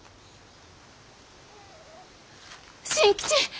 ・新吉！